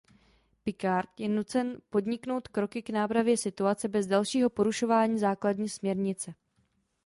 Picard je nucen podniknout kroky k nápravě situace bez dalšího porušování Základní směrnice.